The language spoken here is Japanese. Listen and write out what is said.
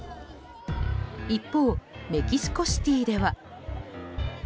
一方、メキシコシティでは。